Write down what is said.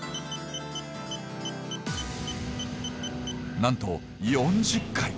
なんと４０回！